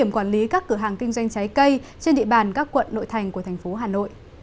quản lý các cửa hàng kinh doanh trái cây trên địa bàn các quận nội thành của thành phố hà nội